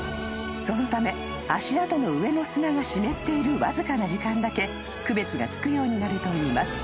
［そのため足跡の上の砂が湿っているわずかな時間だけ区別がつくようになるといいます］